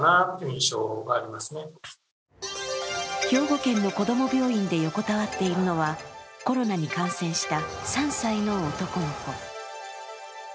兵庫県の子供病院で横たわっているのはコロナに感染した３歳の男の子。